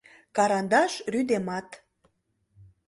Карандаш рӱдемат.